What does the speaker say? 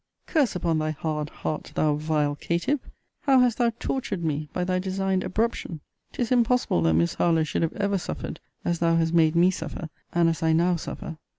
Curse upon thy hard heart, thou vile caitiff! How hast thou tortured me, by thy designed abruption! 'tis impossible that Miss Harlowe should have ever suffered as thou hast made me suffer, and as I now suffer!